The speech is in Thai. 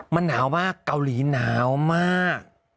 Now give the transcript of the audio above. มันหนาวมากเกาหลีหนาวมาก